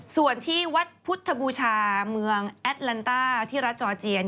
ส่วนที่วัดพุทธบูชาเมืองแอดลันต้าที่รัฐจอร์เจีย